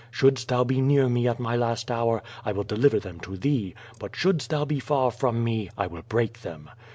Shouldst thou be near me at my last hour, I will deliver them to thee, but shouldst thou be far from me, I will break them.